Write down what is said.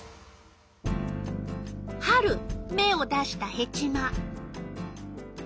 春芽を出したヘチマ。